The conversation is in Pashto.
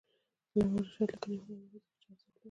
د علامه رشاد لیکنی هنر مهم دی ځکه چې ارزښت لوړوي.